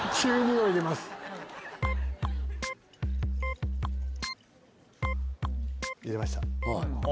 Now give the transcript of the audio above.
はい入れました。